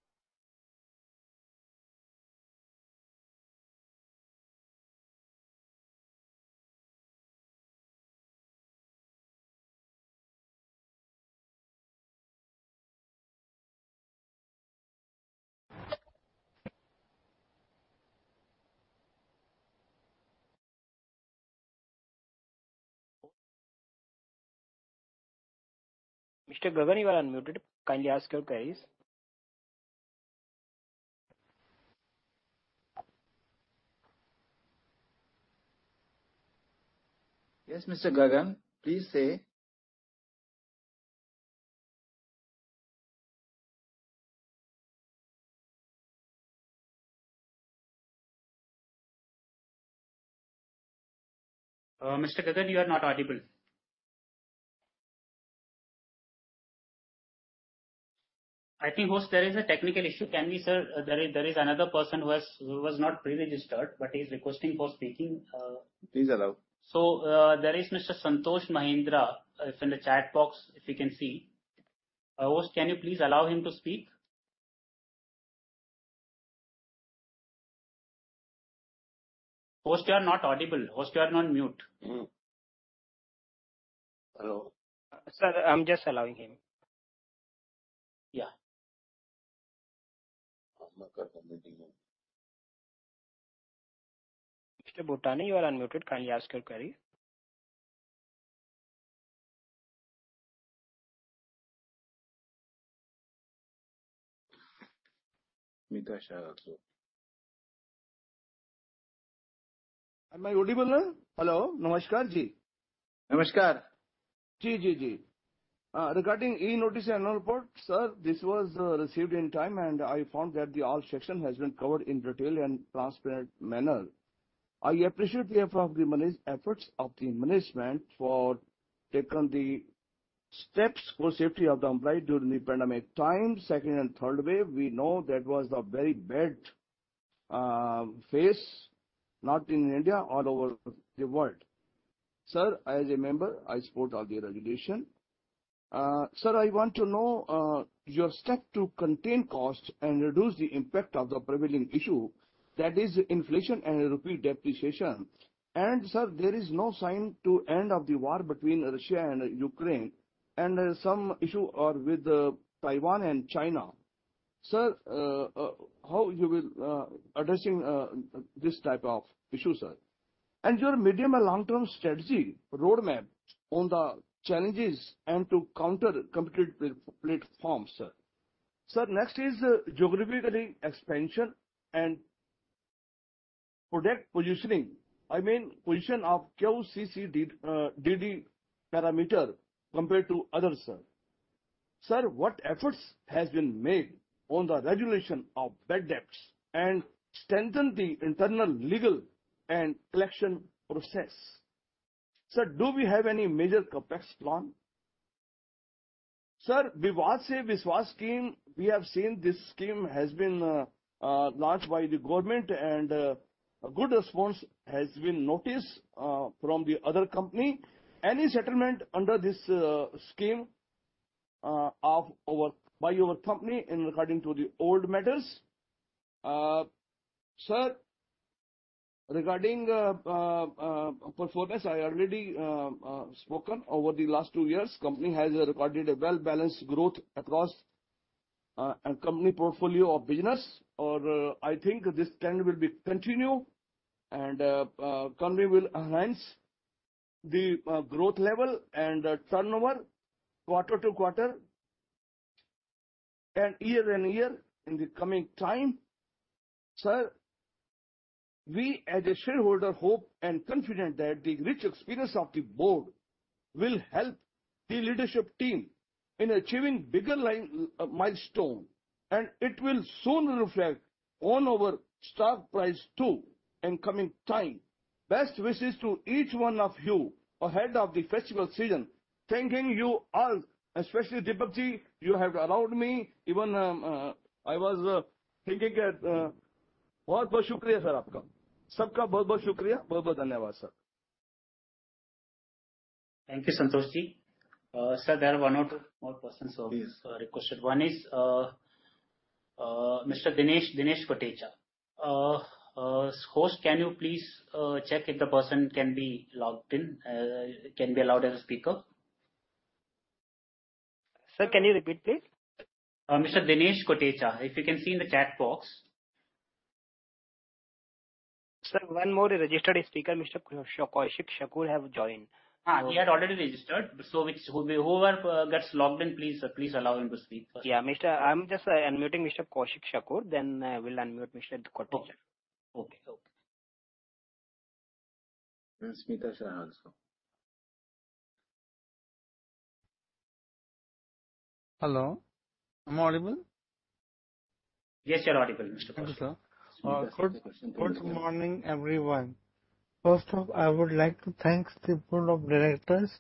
Mr. Gagan, you are unmuted. Kindly ask your queries. Yes, Mr. Gagan, please say. Mr. Gagan, you are not audible. I think, host, there is a technical issue. Can we, sir. There is another person who was not pre-registered, but he's requesting for speaking. Please allow. There is Mr. Santosh Mahindra from the chat box, if you can see. Host, can you please allow him to speak? Host, you are not audible. Host, you are on mute. Hello. Sir, I'm just allowing him. Yeah. Mr. Bhutani, you are unmuted. Kindly ask your query. Am I audible? Hello. Namaskar, Ji. Namaskar. Regarding e-notice annual report, sir, this was received in time, and I found that the all section has been covered in detail and transparent manner. I appreciate the efforts of the management for taking the steps for safety of the employee during the pandemic time, second and third wave. We know that was a very bad phase, not in India, all over the world. Sir, I remember I support all the regulation. Sir, I want to know your step to contain costs and reduce the impact of the prevailing issue, that is inflation and rupee depreciation. Sir, there is no sign to end of the war between Russia and Ukraine and some issue with Taiwan and China. Sir, how you will addressing this type of issue, sir? Your medium and long-term strategy roadmap on the challenges and to counter competitive platforms, sir. Sir, next is geographic expansion and product positioning. I mean, position of parameter compared to others, sir. Sir, what efforts has been made on the recovery of bad debts and strengthen the internal legal and collection process? Sir, do we have any major CapEx plan? Sir, Vivad Se Vishwas scheme, we have seen this scheme has been launched by the government and a good response has been noticed from the other company. Any settlement under this scheme of our by your company in regard to the old matters? Sir, regarding performance, I already spoken. Over the last two years, company has recorded a well-balanced growth across company portfolio of business. I think this trend will continue and company will enhance the growth level and turnover quarter to quarter and year and year in the coming time. Sir, we as a shareholder hope and confident that the rich experience of the board will help the leadership team in achieving bigger milestones, and it will soon reflect on our stock price too in coming time. Best wishes to each one of you ahead of the festival season. Thanking you all, especially Deepak GS. You have allowed me. Thank you very much, sir. Thank you very much to everyone. Thank you very much, sir. Thank you, Santosh Ji. Sir, there are one or two more persons who have requested. One is Mr. Dinesh Katochia. Host, can you please check if the person can be logged in, can be allowed as a speaker? Sir, can you repeat, please? Mr. Dinesh Katochia, if you can see in the chat box. Sir, one more registered speaker, Mr. Kaushik Shakur, has joined. He had already registered. Whoever gets logged in, please allow him to speak first. Yeah. I'm just unmuting Mr. Kaushik Shakur, then we'll unmute Mr. Kotecha. Okay. Okay. Hello, am I audible? Yes, you are audible, Mr. Kaushik. Thank you, sir. [inaudible] sir, question please. Good morning, everyone. First off, I would like to thank the board of directors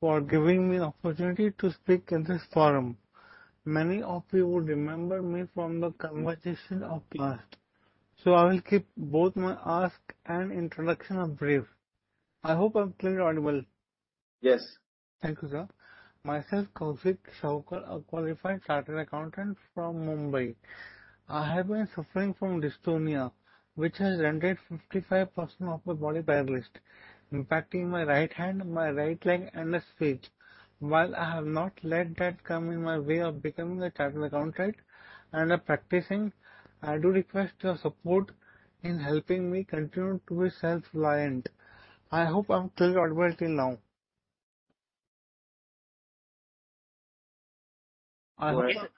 for giving me the opportunity to speak in this forum. Many of you would remember me from the conversation of last. I will keep both my ask and introduction brief. I hope I'm clearly audible. Yes. Thank you, sir. Myself Kaushik Shakur, a qualified chartered accountant from Mumbai. I have been suffering from dystonia, which has rendered 55% of my body paralyzed, impacting my right hand, my right leg, and the speech. While I have not let that come in my way of becoming a chartered accountant and a practicing, I do request your support in helping me continue to be self-reliant. I hope I'm clearly audible till now. You are audible.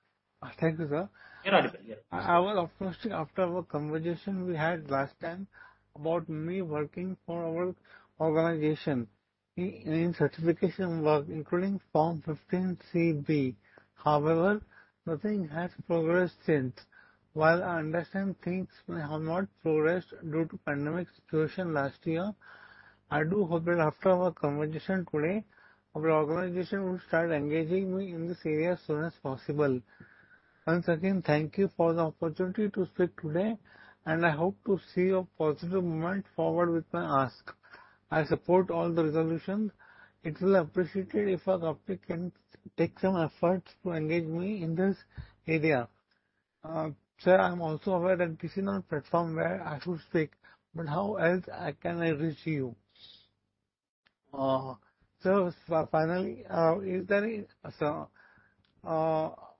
Thank you, sir. You're audible. I was approaching after our conversation we had last time about me working for our organization. In certification work, including Form 15CB. However, nothing has progressed since. While I understand things may have not progressed due to pandemic situation last year, I do hope that after our conversation today, our organization will start engaging me in this area as soon as possible. Once again, thank you for the opportunity to speak today, and I hope to see a positive moment forward with my ask. I support all the resolutions. I will appreciate if our team can take some efforts to engage me in this area. Sir, I'm also aware that this is not platform where I should speak, but how else I can reach you? So, finally,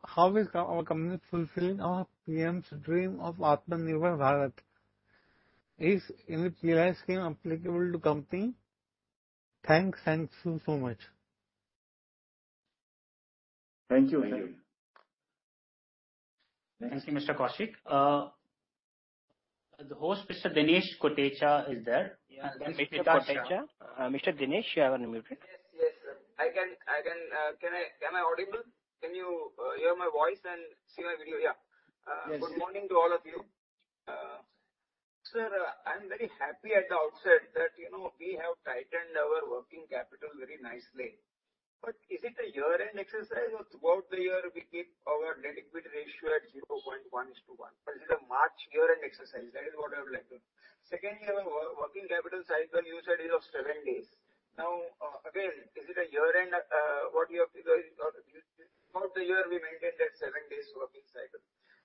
how is our company fulfilling our PM's dream of Atmanirbhar Bharat? Is any PLI scheme applicable to company? Thanks. Thank you so much. Thank you. Thank you, Mr. Kaushik. The host, Mr. Dinesh Katochia, is there. Yes. Mr. Kotecha. Mr. Dinesh, you have unmuted. Yes. Yes, sir. I can. Can I audible? Can you hear my voice and see my video? Yeah. Yes. Good morning to all of you. Sir, I'm very happy at the outset that, you know, we have tightened our working capital very nicely. Is it a year-end exercise or throughout the year we keep our debt-equity ratio at 0.1 to 1? Is it a March year-end exercise? That is what I would like to know. Secondly, your working capital cycle, you said is of seven days. Now, again, is it a year-end, what you have to go throughout the year we maintain that seven days working cycle.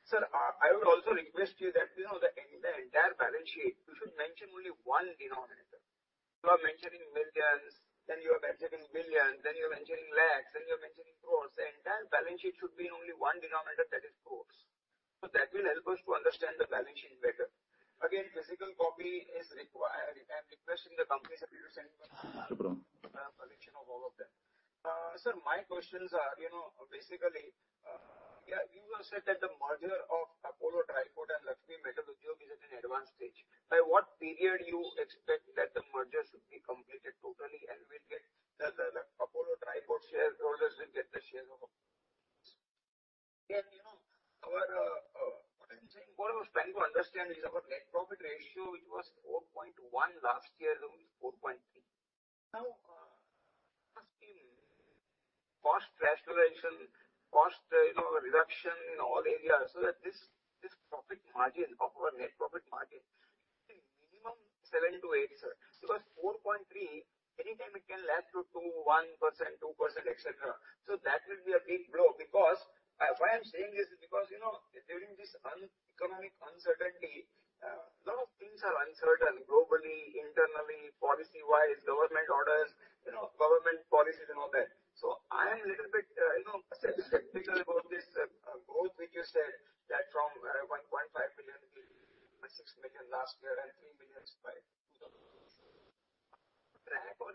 Sir, I would also request you that, you know, the entire balance sheet, you should mention only one denominator. You are mentioning millions, then you are mentioning billions, then you're mentioning lakhs, then you're mentioning crores. The entire balance sheet should be in only one denominator, that is crores. That will help us to understand the balance sheet better. Again, physical copy is required. I'm requesting the company, so if you send one. No problem. Collection of all of them. Sir, my questions are, you know, basically, you have said that the merger of Apollo Tricoat and Shri Lakshmi Metal Udyog is at an advanced stage. By what period you expect that the merger should be completed totally and we'll get the Apollo Tricoat shareholders will get the shares of. Then, you know, what I'm saying, what I was trying to understand is our net profit ratio, which was 4.1% last year, now is 4.3%. Now, asking cost rationalization, cost, you know, reduction in all areas so that this profit margin of our net profit margin, minimum 7%-8%, sir. Because 4.3%, anytime it can lag to 2%-1%-2%, etc. So that will be a big blow because. Why I'm saying this is because, you know, during this economic uncertainty, lot of things are uncertain globally, internally, policy-wise, government orders, you know, government policies and all that. I am little bit, you know, skeptical about this growth which you said that from 1.5 billion to 6 million last year and 3 million by 2023.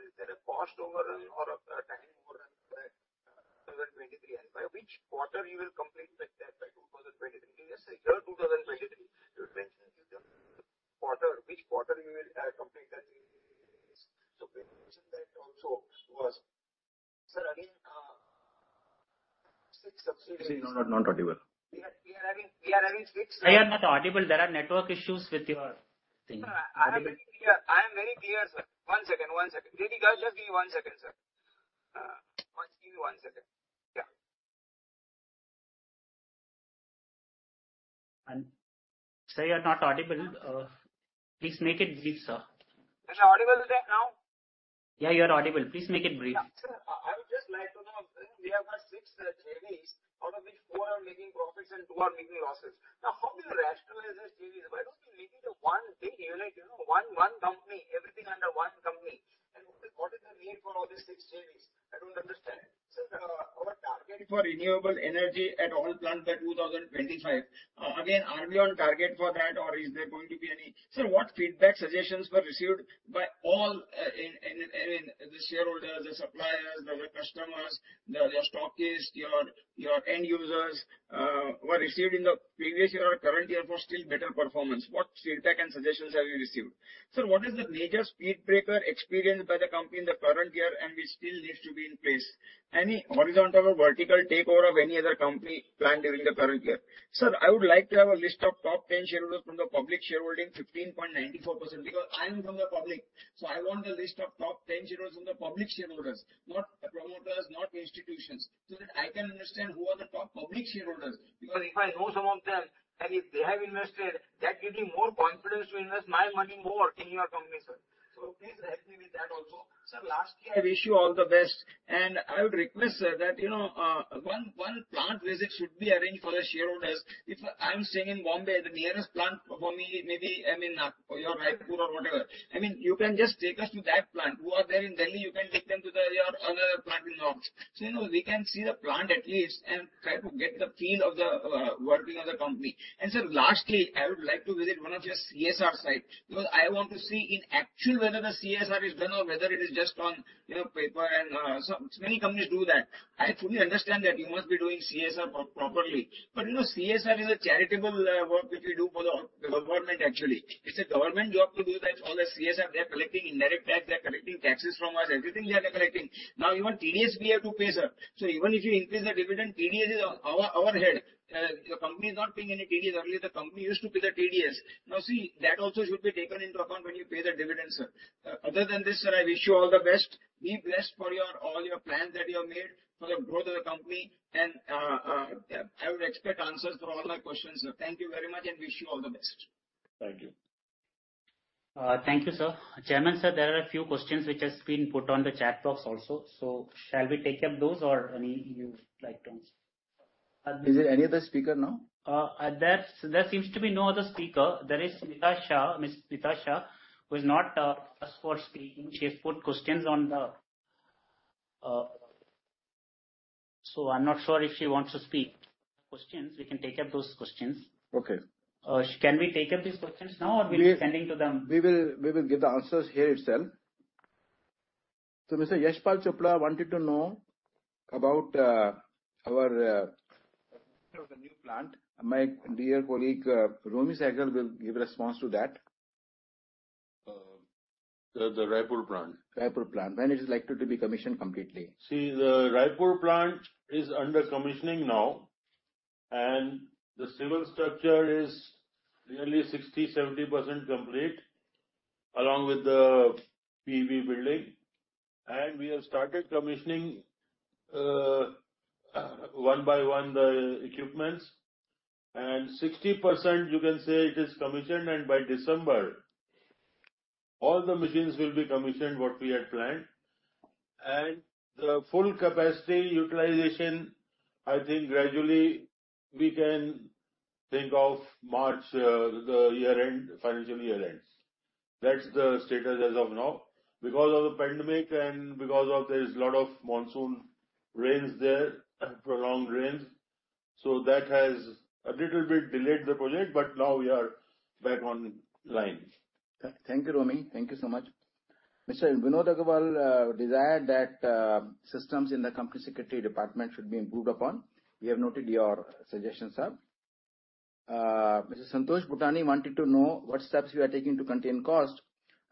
Is there a cost overrun or a time overrun that 2023? By which quarter you will complete that by 2023? In this year, 2023, you mentioned you the quarter, which quarter you will complete that? Can you mention that also to us. Sir, again, 6 subsidiaries- Sir, you're not audible. We are having six- Sir, you're not audible. There are network issues with your thing. Sir, I am very clear, sir. One second. DD guys, just give me one second, sir. Give me one second. Yeah. Sir, you're not audible. Please make it brief, sir. Sir, is it audible now? Yeah, you are audible. Please make it brief. Yeah. Sir, I would just like to know, since we have got six JVs, out of which four are making profits and two are making losses. Now, how will you rationalize these JVs? Why don't you make it a one big unit? You know, one company, everything under one company. What is the need for all these six JVs? I don't understand. Sir, our target for renewable energy at all plants by 2025. Again, are we on target for that or is there going to be any. Sir, what feedback suggestions were received by all, in the shareholders, the suppliers, the customers, your stockists, your end users, were received in the previous year or current year for still better performance? What feedback and suggestions have you received? Sir, what is the major speed breaker experienced by the company in the current year and which still needs to be in place? Any horizontal or vertical takeover of any other company planned during the current year? Sir, I would like to have a list of top 10 shareholders from the public shareholding 15.94%. Because I am from the public, so I want a list of top 10 shareholders from the public shareholders, not the promoters, not institutions, so that I can understand who are the top public shareholders. Because if I know some of them, and if they have invested, that gives me more confidence to invest my money more in your company, sir. Please help me with that also. Sir, lastly, I wish you all the best, and I would request, sir, that, you know, one plant visit should be arranged for the shareholders. If I'm staying in Bombay, the nearest plant for me may be, I mean, your Raipur or whatever. I mean, you can just take us to that plant. Who are there in Delhi, you can take them to the, your other plant in Noida. You know, we can see the plant at least and try to get the feel of the working of the company. Sir, lastly, I would like to visit one of your CSR site because I want to see in actual whether the CSR is done or whether it is just on, you know, paper and. Many companies do that. I fully understand that you must be doing CSR properly. You know, CSR is a charitable work which we do for the government actually. It's a government job to do that all the CSR. They are collecting indirect tax, they are collecting taxes from us, everything they are collecting. Now even TDS we have to pay, sir. Even if you increase the dividend, TDS is on our head. Your company is not paying any TDS. Earlier the company used to pay the TDS. Now see, that also should be taken into account when you pay the dividends, sir. Other than this, sir, I wish you all the best. Be blessed for your all your plans that you have made for the growth of the company. I would expect answers for all my questions. Thank you very much, and wish you all the best. Thank you. Thank you, sir. Chairman, sir, there are a few questions which has been put on the chat box also. Shall we take up those or any you'd like to answer? Is there any other speaker now? There seems to be no other speaker. There is Smita Shah. Miss Smita Shah, who is not asked for speaking. She has put questions on the. So I'm not sure if she wants to speak. Questions, we can take up those questions. Okay. Can we take up these questions now? We- We'll be sending to them? We will give the answers here itself. Mr. Yashpal Chopra wanted to know about our new plant. My dear colleague, Romi Sehgal, will give response to that. The Raipur plant. Raipur plant. When is it likely to be commissioned completely? See, the Raipur plant is under commissioning now, and the civil structure is nearly 60%-70% complete, along with the PV building. We have started commissioning one by one, the equipments. 60% you can say it is commissioned, and by December all the machines will be commissioned, what we had planned. The full capacity utilization, I think gradually we can think of March, the year-end, financial year-end. That's the status as of now. Because of the pandemic and because there's a lot of monsoon rains there, prolonged rains, so that has a little bit delayed the project, but now we are back online. Thank you, Romi. Thank you so much. Mr. Vinod Agarwal desired that systems in the company secretary department should be improved upon. We have noted your suggestion, sir. Mr. Santosh Bhutani wanted to know what steps you are taking to contain cost.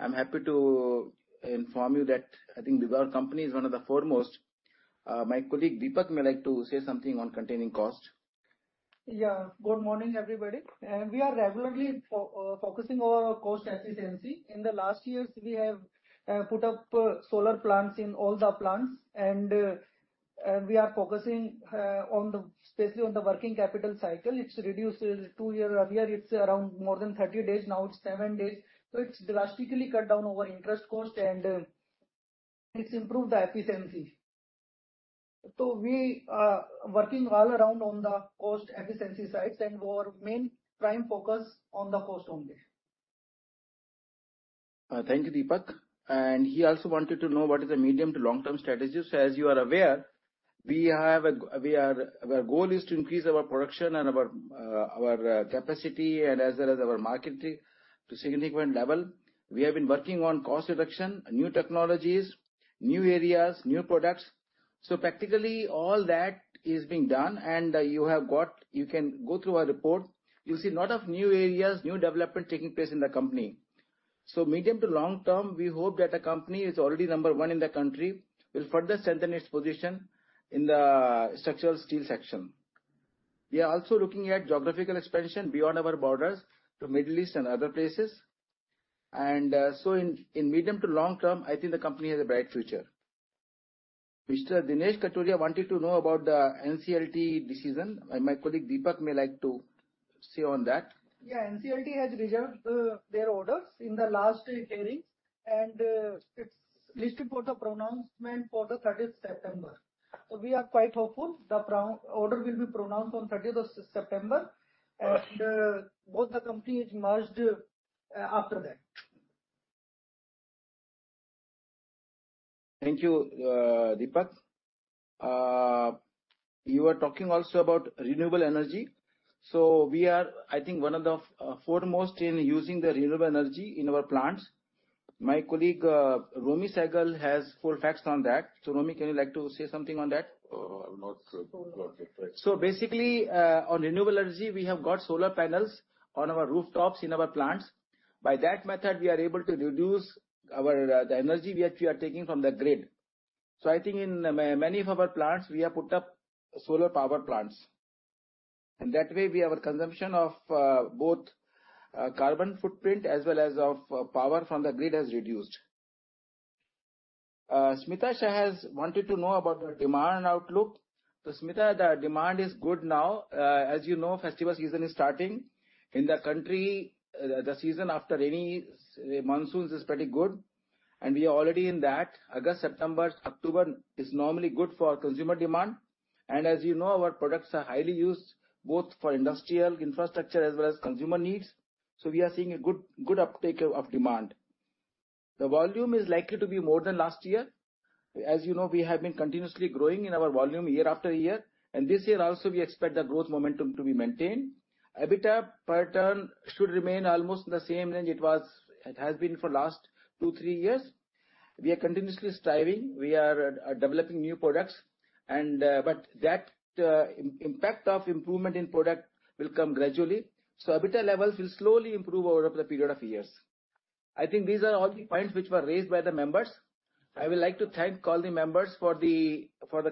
I'm happy to inform you that I think our company is one of the foremost. My colleague Deepak may like to say something on containing cost. Yeah. Good morning, everybody. We are regularly focusing on our cost efficiency. In the last years we have put up solar plants in all the plants and we are focusing especially on the working capital cycle. It's reduced two year. Earlier it's around more than 30 days, now it's seven days. It's drastically cut down our interest cost and it's improved the efficiency. We are working all around on the cost efficiency sides and our main prime focus on the cost only. Thank you, Deepak. He also wanted to know what is the medium to long-term strategies. As you are aware, our goal is to increase our production and our capacity and as well as our marketing to significant level. We have been working on cost reduction, new technologies, new areas, new products. Practically all that is being done and you have got. You can go through our report. You'll see lot of new areas, new development taking place in the company. Medium to long term, we hope that the company is already number one in the country, will further strengthen its position in the structural steel section. We are also looking at geographical expansion beyond our borders to Middle East and other places. In medium to long term, I think the company has a bright future. Mr. Dinesh Katochcia wanted to know about the NCLT decision. My colleague Deepak may like to say on that. Yeah. NCLT has reserved their orders in the last hearing, and it's listed for the pronouncement for the thirtieth September. We are quite hopeful the order will be pronounced on thirtieth of September. Both the company is merged after that. Thank you, Deepak. You were talking also about renewable energy. We are, I think, one of the foremost in using the renewable energy in our plants. My colleague, Romi Sehgal has full facts on that. Romi, can you like to say something on that? Not exactly. Basically, on renewable energy, we have got solar panels on our rooftops in our plants. By that method, we are able to reduce our, the energy which we are taking from the grid. I think in many of our plants we have put up solar power plants. That way we have a consumption of both carbon footprint as well as of power from the grid has reduced. Smita Shah has wanted to know about the demand outlook. Smita, the demand is good now. As you know, festival season is starting. In the country, the season after rainy, monsoons is pretty good and we are already in that. August, September, October is normally good for consumer demand. As you know, our products are highly used both for industrial infrastructure as well as consumer needs, so we are seeing a good uptake of demand. The volume is likely to be more than last year. As you know, we have been continuously growing in our volume year after year, and this year also we expect the growth momentum to be maintained. EBITDA per ton should remain almost the same range it was, it has been for last two, three years. We are continuously striving. We are developing new products, but that impact of improvement in product will come gradually. EBITDA levels will slowly improve over the period of years. I think these are all the points which were raised by the members. I would like to thank all the members for the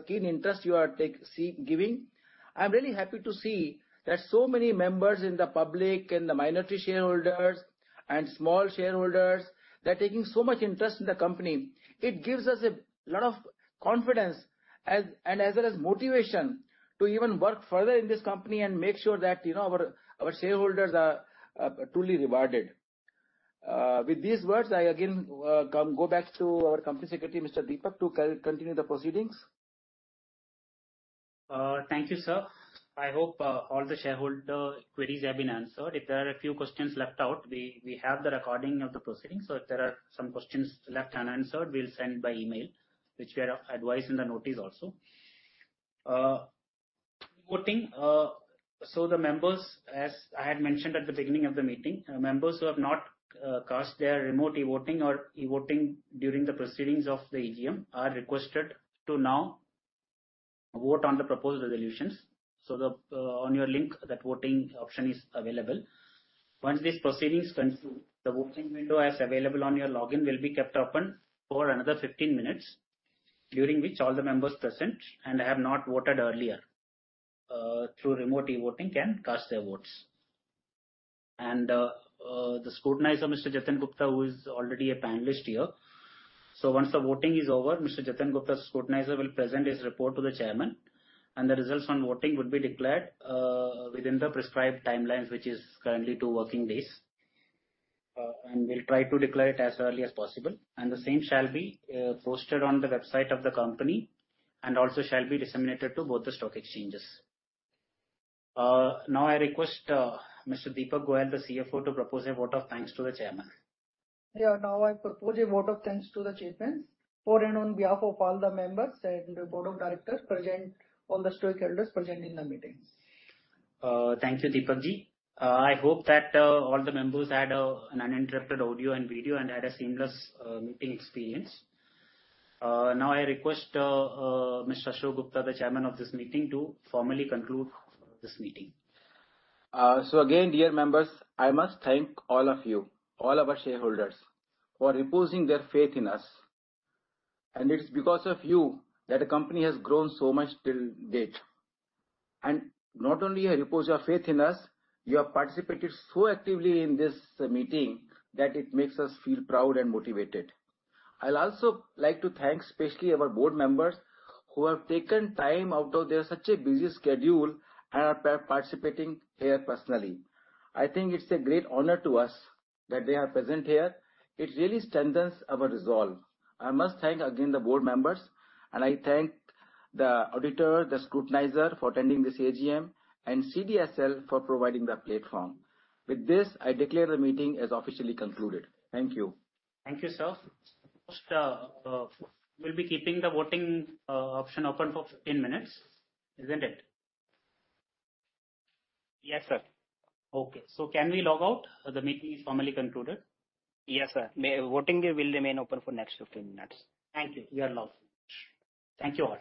keen interest you are giving. I'm really happy to see that so many members in the public and the minority shareholders and small shareholders, they're taking so much interest in the company. It gives us a lot of confidence as, and as well as motivation to even work further in this company and make sure that, you know, our shareholders are truly rewarded. With these words, I again come back to our Company Secretary, Mr. Deepak, to continue the proceedings. Thank you, sir. I hope all the shareholder queries have been answered. If there are a few questions left out, we have the recording of the proceedings, so if there are some questions left unanswered, we'll send by email, which we have advised in the notice also. Voting, so the members, as I had mentioned at the beginning of the meeting, members who have not cast their remote e-voting or e-voting during the proceedings of the AGM are requested to now vote on the proposed resolutions. On your link, that voting option is available. Once these proceedings conclude, the voting window as available on your login will be kept open for another 15 minutes, during which all the members present and have not voted earlier through remote e-voting can cast their votes. The scrutinizer, Mr. Jatin Gupta, who is already a panelist here. Once the voting is over, Mr. Jatin Gupta, scrutinizer, will present his report to the chairman, and the results on voting will be declared within the prescribed timelines, which is currently two working days. We'll try to declare it as early as possible. The same shall be posted on the website of the company and also shall be disseminated to both the stock exchanges. Now I request Mr. Deepak Goyal, the CFO, to propose a vote of thanks to the chairman. Yeah. Now I propose a vote of thanks to the chairman for and on behalf of all the members and the board of directors present, all the stockholders present in the meeting. Thank you, Deepak G. I hope that all the members had an uninterrupted audio and video and had a seamless meeting experience. Now I request Mr. Ashu Gupta, the Chairman of this meeting, to formally conclude this meeting. Again, dear members, I must thank all of you, all of our shareholders for reposing their faith in us. It is because of you that the company has grown so much till date. Not only you repose your faith in us, you have participated so actively in this meeting that it makes us feel proud and motivated. I'd also like to thank especially our board members who have taken time out of their such a busy schedule and are participating here personally. I think it's a great honor to us that they are present here. It really strengthens our resolve. I must thank again the board members, and I thank the auditor, the scrutinizer for attending this AGM, and CDSL for providing the platform. With this, I declare the meeting is officially concluded. Thank you. Thank you, sir. First, we'll be keeping the voting option open for 15 minutes, isn't it? Yes, sir. Okay. Can we log out? The meeting is formally concluded. Yes, sir. Voting will remain open for next 15 minutes. Thank you. You are logged. Thank you all.